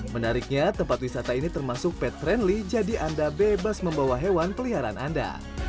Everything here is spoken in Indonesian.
menariknya tempat wisata ini termasuk pad friendly jadi anda bebas membawa hewan peliharaan anda